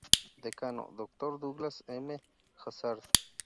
Decano: Doctor Douglas M. Hazzard.